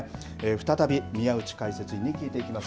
再び、宮内解説委員に聞いていきます。